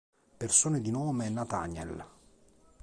Persone di nome Nathaniel